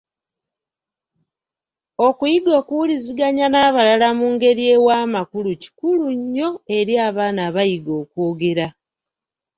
Okuyiga okuwuliziganya n’abalala mu ngeri ewa amakulu kikulu nnyo eri abaana abayiga okwogera.